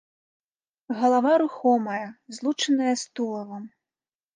Галава рухомая, злучаная з тулавам.